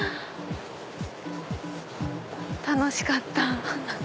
楽しかった！